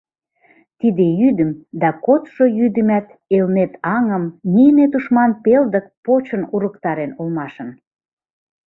Тиде йӱдым да кодшо йӱдымат Элнет аҥым нине тушман пелдык почын урыктарен улмашын.